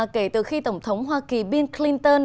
kể từ khi tổng thống hoa kỳ bill clinton